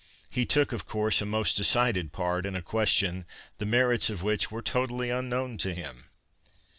He took, of course, a most decided part in a question, the merits of which were totally unknown to him.